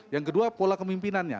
yang kedua pola kemimpinannya